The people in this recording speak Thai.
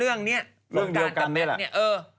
เรื่องเนี้ยเรื่องเนี้ย